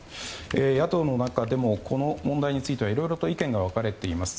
野党の中でもこの問題についてはいろいろと意見が分かれています。